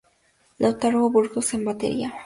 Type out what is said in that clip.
Lautaro Burgos en batería.